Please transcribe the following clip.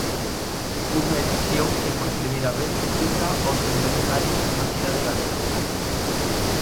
Unha edición que por primeira vez xunta ós bibliotecarios nunha cidade galega.